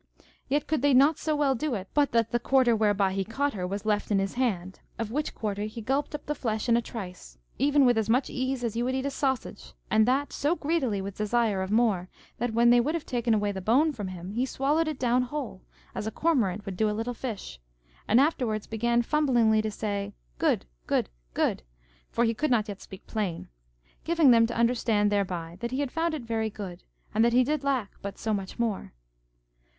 Yet could they not so well do it but that the quarter whereby he caught her was left in his hand, of which quarter he gulped up the flesh in a trice, even with as much ease as you would eat a sausage, and that so greedily with desire of more, that, when they would have taken away the bone from him, he swallowed it down whole, as a cormorant would do a little fish; and afterwards began fumblingly to say, Good, good, good for he could not yet speak plain giving them to understand thereby that he had found it very good, and that he did lack but so much more.